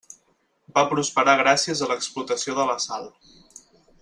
Va prosperar gràcies a l'explotació de la sal.